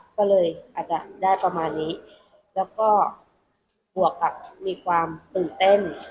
ก็เลยอาจจะได้ประมาณนี้แล้วก็บวกกับมีความตื่นเต้น